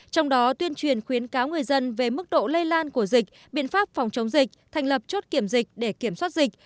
trong đó tuyên truyền khuyến cáo người dân về mức độ lây lan của dịch biện pháp phòng chống dịch thành lập chốt kiểm dịch để kiểm soát dịch